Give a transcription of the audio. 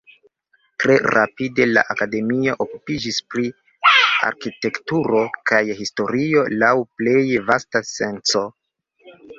Tre rapide, la Akademio okupiĝis pri arkitekturo kaj historio laŭ plej vasta senco.